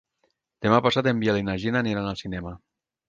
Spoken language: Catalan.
Demà passat en Biel i na Gina aniran al cinema.